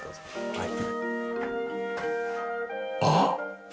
はい。